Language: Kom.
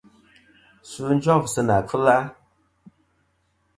Sfɨ jof sɨ nà kfɨla.